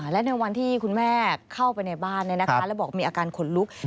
และในวันที่คุณแม่เข้าไปในบ้านแล้วบอกมีอาการขนลุก